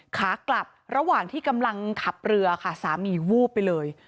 ขากลับระหว่างที่กำลังขับเรือค่ะสามีวูบไปเลย